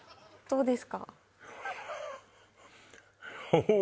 そうですか？